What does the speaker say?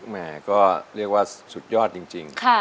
แหมก็เรียกว่าสุดยอดจริง